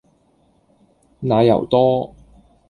奶油多